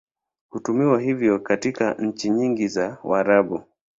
Hutumiwa hivyo katika nchi nyingi za Waarabu.